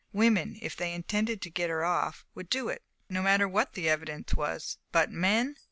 "Women, if they intended to get her off, would do it, no matter what the evidence was; but men!